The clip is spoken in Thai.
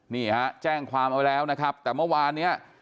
นี่ฮะแจ้งความเอาไว้แล้วนะครับแต่เมื่อวานเนี่ย